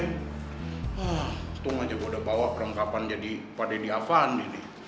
ketung aja gue udah bawa perengkapan jadi pak denny avandi nih